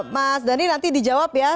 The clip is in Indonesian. mas dhani nanti dijawab ya